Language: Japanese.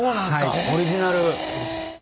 オリジナル！